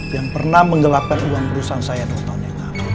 yang pernah menggelapkan uang perusahaan saya